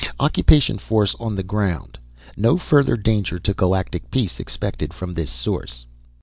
Occupation force on the ground. No further danger to Galactic peace expected from this source.